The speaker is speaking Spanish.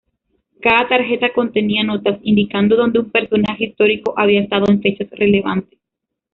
Cada tarjeta contenía notas indicando donde un personaje histórico había estado en fechas relevantes.